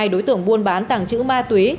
ba mươi hai đối tượng buôn bán tặng chữ ma túy